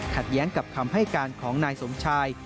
แย้งกับคำให้การของนายสมชาย